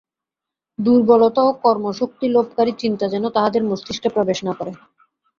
দুর্বলতা ও কর্মশক্তিলোপকারী চিন্তা যেন তাহাদের মস্তিষ্কে প্রবেশ না করে।